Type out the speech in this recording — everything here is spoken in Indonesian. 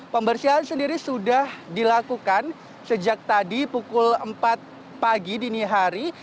pembersihan sendiri sudah dilakukan sejak tadi pukul empat pagi dini hari